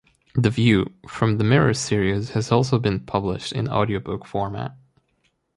The View from the Mirror series has also been published in audiobook format.